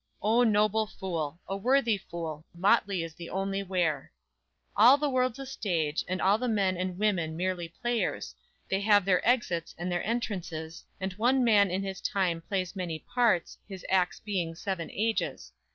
O noble fool! A worthy fool! Motley is the only wear!"_ _"All the world's a stage, And all the men and women merely players; They have their exits, and their entrances; And one man in his time plays many parts, His acts being seven ages.